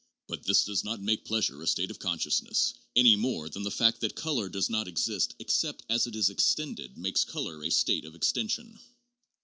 But this does not make pleasure a state of consciousness, any more than the fact that color does not exist except as it is extended makes color a state of extension.